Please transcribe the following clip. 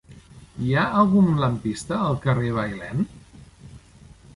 Hi ha algun lampista al carrer de Bailèn?